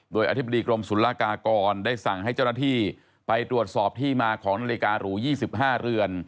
โดยอธิบดีกรมศุลกากรได้สั่งให้เจ้าหน้าที่ไปตรวจสอบที่มาของนาฬิการู๒๕เรือน